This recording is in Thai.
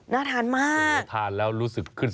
น่าทานมาก